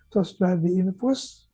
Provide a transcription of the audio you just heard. terus sudah diinfus